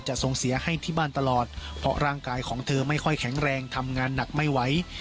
ทรงเสียให้ที่บ้านตลอดเพราะร่างกายของเธอไม่ค่อยแข็งแรงทำงานหนักไม่ไหว